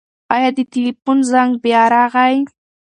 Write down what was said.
ایا د تلیفون زنګ بیا راغی؟